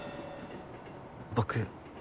僕。